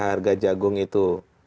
harga jagung itu